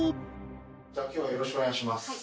じゃあ今日はよろしくお願いします